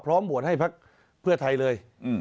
พร้อมบวชให้เพื่อไทยเลย